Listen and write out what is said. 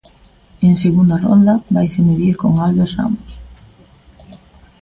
En segunda rolda vaise medir con Albert Ramos.